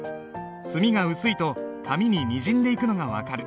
墨が薄いと紙ににじんでいくのが分かる。